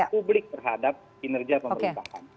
publik terhadap kinerja pemerintahan